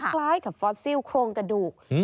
คล้ายกับฟอสซิลโครงกระดูก